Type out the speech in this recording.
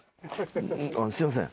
あのすいません。